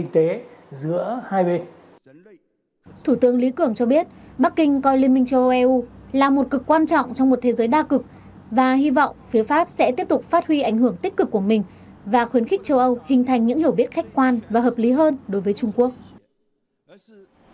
thủ tướng lý cường cho biết bắc kinh coi liên minh châu âu eu là một cực quan trọng trong một thế giới đa cực và hy vọng phía pháp sẽ tiếp tục phát huy ảnh hưởng tích cực của mình và khuyến khích châu âu hình thành những hiểu biết khách quan và hợp lý hơn đối với trung quốc